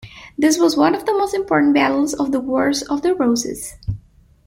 This was one of the most important battles of the Wars of the Roses.